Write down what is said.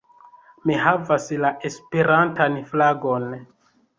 Mi havas la Esperantan flagon!